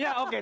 iya itu ada